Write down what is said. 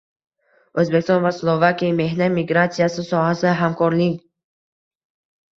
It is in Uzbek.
O‘zbekiston va Slovakiya: mehnat migratsiyasi sohasida hamkorlikng